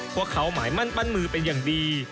พวกเขาหมายมั่นปั้นมือเป็นอย่างดี